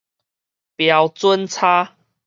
標準差